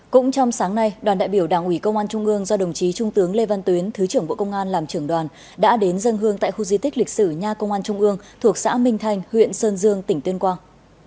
cũng trong sáng nay đoàn đại biểu đảng ủy công an trung ương do đồng chí trung tướng lê văn tuyến thứ trưởng bộ công an làm trưởng đoàn đã đến dân hương tại khu di tích lịch sử nhà công an trung ương thuộc xã minh thanh huyện sơn dương tỉnh tuyên quang